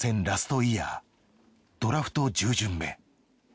ラストイヤードラフト１０巡目。